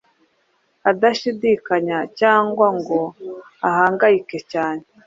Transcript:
adashidikanya cyangwa ngo ahangayike cyane